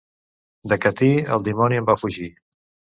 De Catí, el dimoni en va fugir.